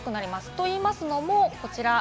と言いますのも、こちら。